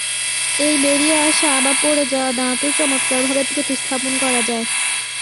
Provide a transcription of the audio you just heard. এই বেরিয়ে আসা বা পড়ে যাওয়া দাঁতও চমৎকারভাবে প্রতিস্থাপন করা যায়।